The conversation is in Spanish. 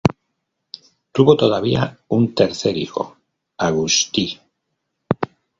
Tuvo todavía un tercer hijo, Agustí.